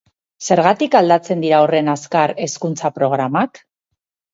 Zergatik aldatzen dira horren azkar hezkuntza programak?